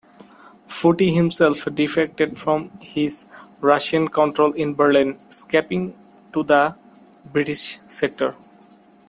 Foote himself defected from his Russian control in Berlin, escaping to the British sector.